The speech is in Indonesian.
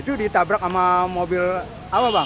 itu ditabrak sama mobil apa bang